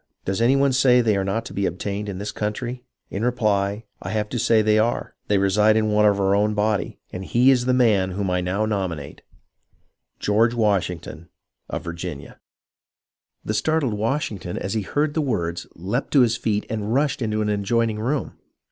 Does any one say they are not to be obtained in this country 1 In reply, I have to say they are ; they reside in one of our own body, and he is the man whom I now nominate, — George Washington of Virginia. The startled Washington as he heard the words leaped to his feet and rushed into an adjoining room.